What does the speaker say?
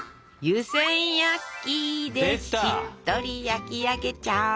「湯せん焼き」でしっとり焼き上げちゃう。